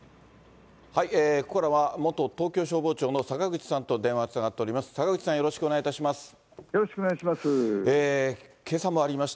ここからは元東京消防庁のさかぐちさんと電話がつながっております。